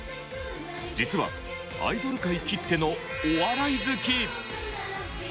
実はアイドル界きってのお笑い好き！